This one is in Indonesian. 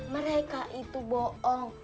mereka itu boong